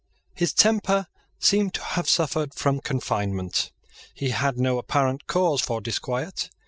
His temper seemed to have suffered from confinement. He had no apparent cause for disquiet.